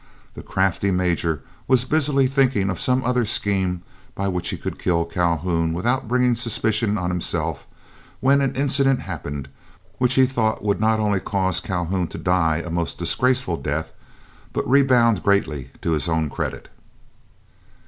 The crafty Major was busily thinking of some other scheme by which he could kill Calhoun without bringing suspicion on himself, when an incident happened which he thought would not only cause Calhoun to die a most disgraceful death, but redound greatly to his own credit.